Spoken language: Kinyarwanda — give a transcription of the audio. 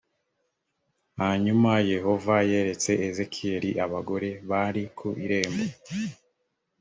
hanyuma yehova yeretse ezekiyeli abagore bari ku irembo